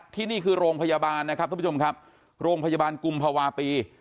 ที่นี่คือโรงพยาบาลนะครับทุกผู้ชมครับโรงพยาบาลกุมภาวะปี